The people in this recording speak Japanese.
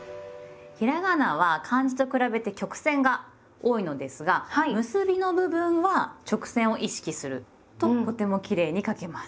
ひらがなは漢字と比べて曲線が多いのですが結びの部分は直線を意識するととてもきれいに書けます。